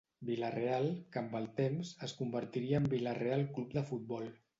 Vila-real que amb el temps, es convertiria en el Vila-real Club de Futbol.